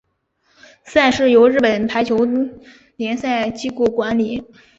赛事由日本排球联赛机构管理。